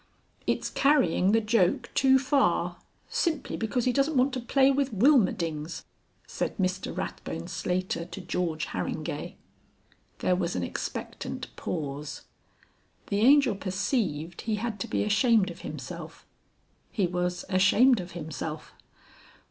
"It's carrying the joke too far simply because he doesn't want to play with Wilmerdings," said Mr Rathbone Slater to George Harringay. There was an expectant pause. The Angel perceived he had to be ashamed of himself. He was ashamed of himself.